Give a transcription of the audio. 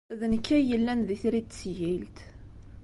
D nekk ay yellan d itri n tesgilt.